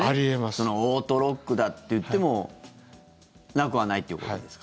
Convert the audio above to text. オートロックだっていってもなくはないってことですか？